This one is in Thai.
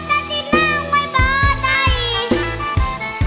งั้งแหลงตั้งตาที่นั่งไว้บ่ได้